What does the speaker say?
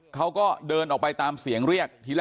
เขาก็เดินออกไปตามเสียงเรียก